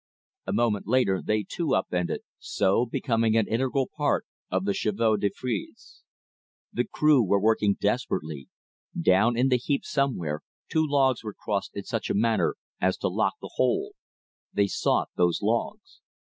A moment later they too up ended, so becoming an integral part of the "chevaux de frise." The crew were working desperately. Down in the heap somewhere, two logs were crossed in such a manner as to lock the whole. They sought those logs.